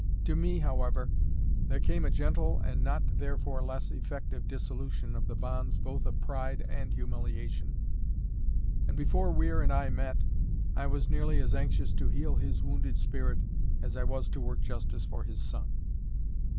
To me, however, there came a gentle and not therefore less effective dissolution of the bonds both of pride and humiliation; and before Weir and I met, I was nearly as anxious to heal his wounded spirit, as I was to work justice for his son.